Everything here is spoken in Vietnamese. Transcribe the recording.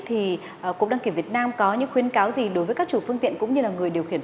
thì cục đăng kiểm việt nam có những khuyến cáo gì đối với các chủ phương tiện